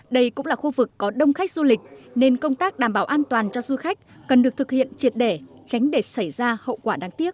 đây cũng là khu vực có đông khách du lịch nên công tác đảm bảo an toàn cho du khách cần được thực hiện triệt để tránh để xảy ra hậu quả đáng tiếc